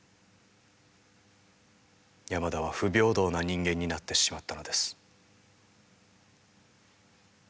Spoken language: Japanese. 山田は不平等な人間になってしまったのです。